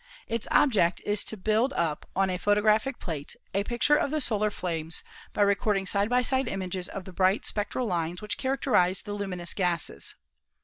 "Its object is to build up on a photographic plate a picture of the solar flames by recording side by side images of the bright spec tral lines which characterize the luminous gases.